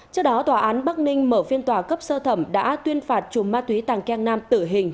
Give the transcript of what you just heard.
trước đó tòa án bắc ninh mở phiên tòa cấp sơ thẩm đã tuyên phạt chùm ma túy tàng keng nam tử hình